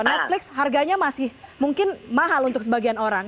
netflix harganya masih mungkin mahal untuk sebagian orang